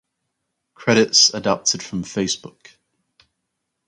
Credits adapted from Facebook.